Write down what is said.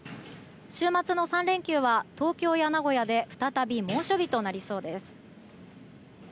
週末の３連休は東京や名古屋で再び猛暑日となりそうです。